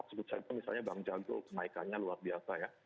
sebut saja misalnya bank jago kenaikannya luar biasa ya